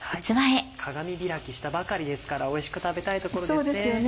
鏡開きしたばかりですからおいしく食べたいところですね。